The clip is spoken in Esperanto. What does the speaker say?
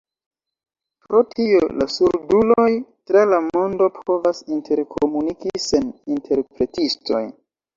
Pro tio la surduloj tra la mondo povas interkomuniki sen interpretistoj!